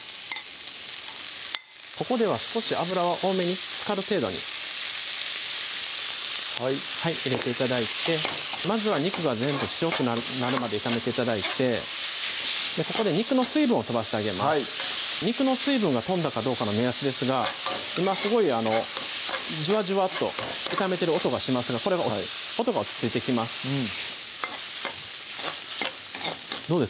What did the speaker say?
ここでは少し油は多めにつかる程度に入れて頂いてまずは肉が全部白くなるまで炒めて頂いてここで肉の水分を飛ばしてあげます肉の水分が飛んだかどうかの目安ですが今すごいジュワジュワッと炒めてる音がしますがこれの音が落ち着いてきますうんどうです？